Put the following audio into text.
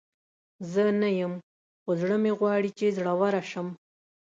زه نه یم، خو زړه مې غواړي چې زړوره شم.